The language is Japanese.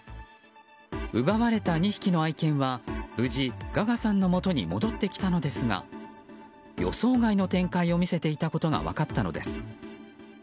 奪われた２匹の愛犬は無事ガガさんのもとに戻ってきたのですが予想外の展開を見せていたことが分かったのです。